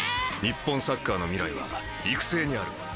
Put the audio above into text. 日本サッカーの未来は育成にある。